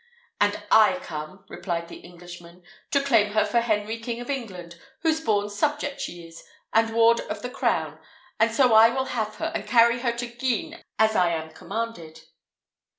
"And I come," replied the Englishman, "to claim her for Henry King of England, whose born subject she is, and ward of the crown; and so I will have her, and carry her to Guisnes, as I am commanded."